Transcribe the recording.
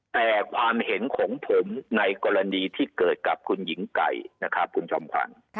แต่ความเห็นของผมในกรณีที่เกิดกับคุณหญิงไก่นะครับคุณจอมขวัญ